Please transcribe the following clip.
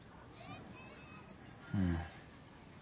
うん。